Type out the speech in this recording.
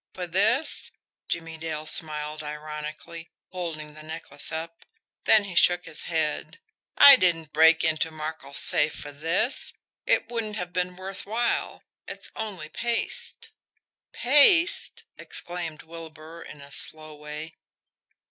"For this?" Jimmie Dale smiled ironically, holding the necklace up. Then he shook his head. "I didn't break into Markel's safe for this it wouldn't have been worth while. It's only paste." "PASTE!" exclaimed Wilbur, in a slow way.